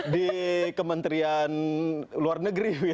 di kementerian luar negeri